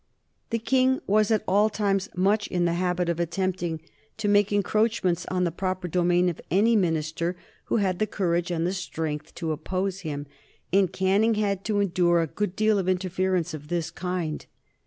The King was, at all times, much in the habit of attempting to make encroachments on the proper domain of any minister who had the courage and the strength to oppose him, and Canning had to endure a good deal of interference of this kind.